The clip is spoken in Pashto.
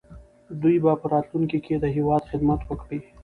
دوی به په راتلونکي کې د هېواد خدمت وکړي.